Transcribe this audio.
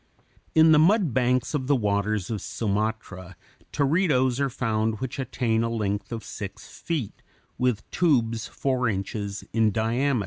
In the mud banks of the waters of Sumatra, teredos are found which attain a length of six feet, with tubes four inches in diameter.